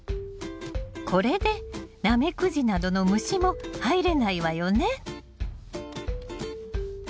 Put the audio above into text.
これでナメクジなどの虫も入れないわよね。